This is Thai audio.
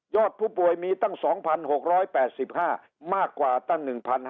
ผู้ป่วยมีตั้ง๒๖๘๕มากกว่าตั้ง๑๕๐